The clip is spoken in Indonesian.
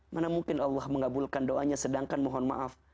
mana mungkin allah mengabulkan doanya sedangkan mohon maaf